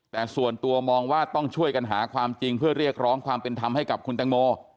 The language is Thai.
แต่ส่วนตัวมองว่าต้องช่วยกันหาความจริงเพื่อเรียกร้องความเป็นธรรมให้กับคุณตังโม